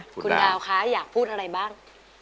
คุณดาวคะอยากพูดอะไรบ้าง